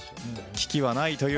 危機はないという。